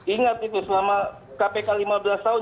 ingat itu selama kpk lima belas tahun